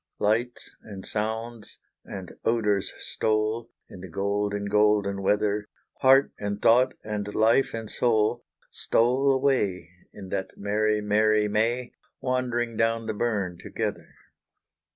Lights and sounds and odours stole, In the golden, golden weather Heart and thought, and life and soul, Stole away, In that merry, merry May, Wandering down the burn together.